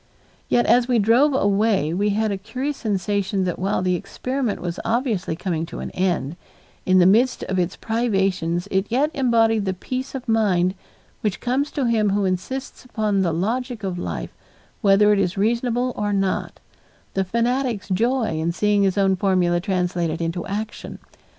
Yet as we drove away we had the curious sensation that while the experiment was obviously coming to an end, in the midst of its privations it yet embodied the peace of mind which comes to him who insists upon the logic of life whether it is reasonable or not the fanatic's joy in seeing his own formula translated into action.